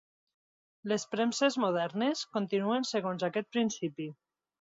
Les premses modernes continuen segons aquest principi.